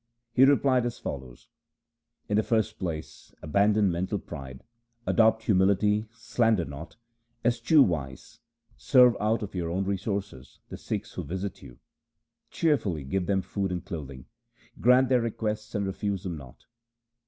He replied as follows :' In the first place, abandon mental pride, adopt humility slander not, eschew vice, serve out of your own resources the Sikhs who visit you. Cheerfully give them food and clothing. Grant their requests and refuse them not.